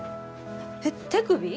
えっ手首？